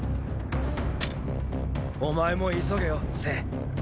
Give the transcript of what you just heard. お前も急げよ政。